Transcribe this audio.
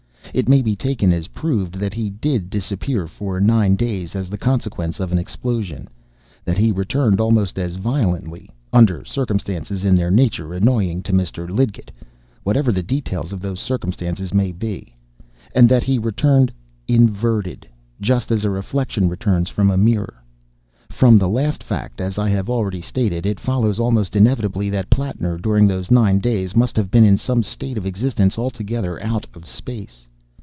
It may be taken as proved that he did disappear for nine days as the consequence of an explosion; that he returned almost as violently, under circumstances in their nature annoying to Mr. Lidgett, whatever the details of those circumstances may be; and that he returned inverted, just as a reflection returns from a mirror. From the last fact, as I have already stated, it follows almost inevitably that Plattner, during those nine days, must have been in some state of existence altogether out of space.